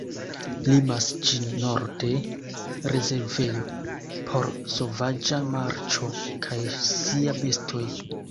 Limas ĝin norde rezervejo por sovaĝa marĉo kaj sia bestoj.